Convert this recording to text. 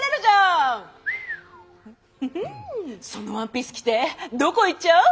そのワンピース着てどこ行っちゃう？